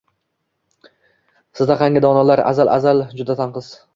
– Sizdaqangi donolar az-azal juda tanqis